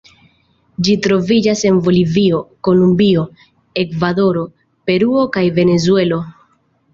Ĝi troviĝas en Bolivio, Kolombio, Ekvadoro, Peruo kaj Venezuelo.